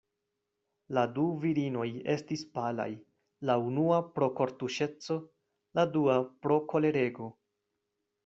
La du virinoj estis palaj, la unua pro kortuŝeco, la dua pro kolerego.